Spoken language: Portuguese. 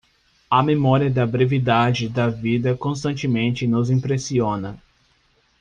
A memória da brevidade da vida constantemente nos impressiona.